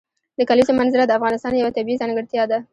د کلیزو منظره د افغانستان یوه طبیعي ځانګړتیا ده.